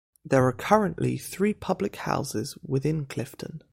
There are currently three public houses within Clifton.